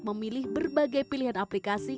memilih berbagai pilihan aplikasi